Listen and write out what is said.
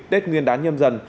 tết nguyên đán nhâm dần